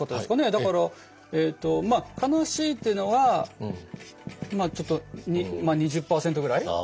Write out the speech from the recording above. だから悲しいっていうのはまあちょっと２０％ぐらい。